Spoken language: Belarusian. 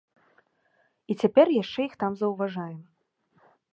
І цяпер яшчэ іх там заўважаем.